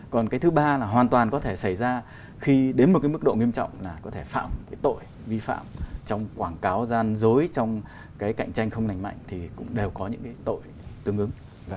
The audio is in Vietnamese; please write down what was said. còn thứ ba là hoàn toàn có thể xảy ra khi đến một mức độ nghiêm trọng là có thể phạm tội vi phạm trong quảng cáo gian dối trong cạnh tranh không nành mạnh thì cũng đều có những tội tương ứng